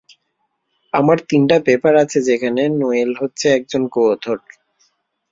আমার তিনটা পেপার আছে যেখানে নোয়েল হচ্ছে একজন কো-অথর।